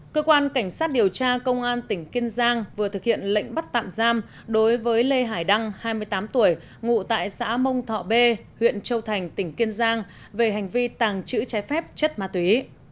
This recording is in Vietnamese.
cơ quan cảnh sát điều tra công an tỉnh kiên giang vừa thực hiện lệnh bắt tạm giam đối với lê hải đăng hai mươi tám tuổi ngụ tại xã mông thọ b huyện châu thành tỉnh kiên giang về hành vi tàng trữ trái phép chất ma túy